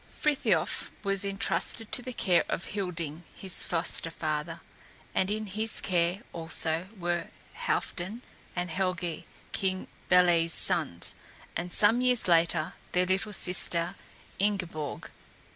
Frithiof was entrusted to the care of Hilding, his foster father, and in his care, also, were Halfdan and Helgé, King Bélé's sons, and, some years later, their little sister, Ingeborg.